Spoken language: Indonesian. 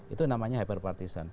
itu namanya hyper partisan